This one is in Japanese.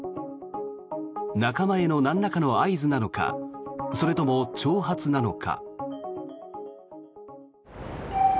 仲間へのなんらかの合図なのかそれとも挑発なのか。